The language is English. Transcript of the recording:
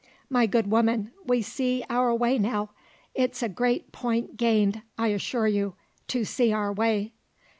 "My good woman, we see our way now: it's a great point gained, I assure you, to see our way."